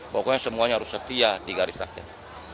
pokoknya semuanya harus setia di garis rakyat